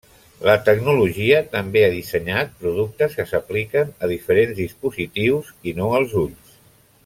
La tecnologia també ha dissenyat productes que s'apliquen a diferents dispositius i no als ulls.